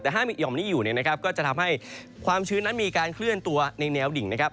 แต่ถ้ามีห่อมนี้อยู่เนี่ยนะครับก็จะทำให้ความชื้นนั้นมีการเคลื่อนตัวในแนวดิ่งนะครับ